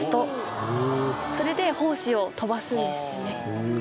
それで胞子を飛ばすんですよね。